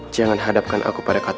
jangan hadapkan aku pada kata